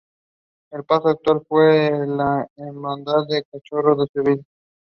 Elytra testaceous or light reddish brown.